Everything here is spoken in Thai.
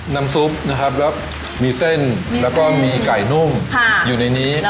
น้ำซุปนะครับแล้วมีเส้นแล้วก็มีไก่นุ่มอยู่ในนี้